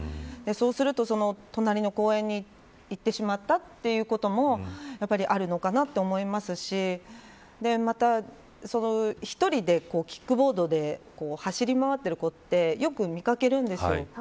そうすると隣の公園に行ってしまったということもやっぱりあるのかなと思いますしまた１人でキックボードで走り回っている子ってよく見かけるんですよ。